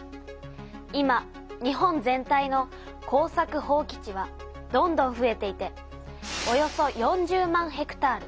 今日本全体の耕作放棄地はどんどんふえていておよそ４０万ｈａ。